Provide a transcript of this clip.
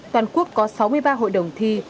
toàn quốc có sáu mươi ba hội đồng thi